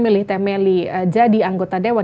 milih teh meli jadi anggota dewan